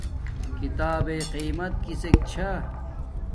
کتابݷ قیمت کسک چھا